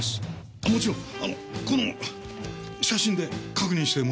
あもちろんこの写真で確認してもらいました。